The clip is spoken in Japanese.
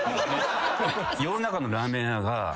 世の中のラーメン屋が。